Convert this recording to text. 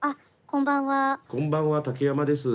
こんばんは竹山です。